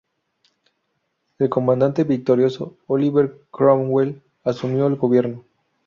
El comandante victorioso, Oliver Cromwell, asumió el gobierno.